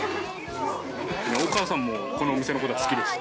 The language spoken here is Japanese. お母さんも、このお店のことは好きでした。